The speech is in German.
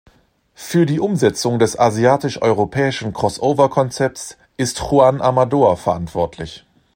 Für die Umsetzung des asiatisch-europäischen Crossover-Konzepts ist Juan Amador verantwortlich.